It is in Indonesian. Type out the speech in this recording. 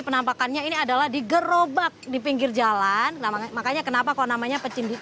penampakannya ini adalah di gerobak di pinggir jalan namanya makanya kenapa kau namanya pecindik